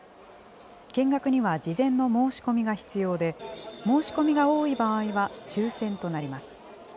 見学には事前の申し込みが必要で、申し込みが多い場合は抽せんとなります。